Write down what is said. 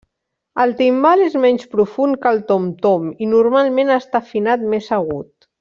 El timbal és menys profund que el tom-tom, i normalment està afinat més agut.